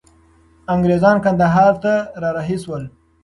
انګریزان کندهار ته را رهي سول.